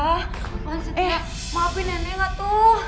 eh maafin nenek gak tuh